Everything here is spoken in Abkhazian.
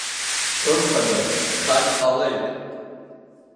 Хымԥада гхак ҟалеит…